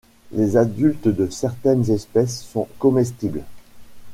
Les adultes de certaines espèces sont comestibles.